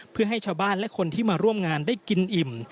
เพื่อให้ชาวบ้านและคนที่มาร่วมงานได้กินอิ่ม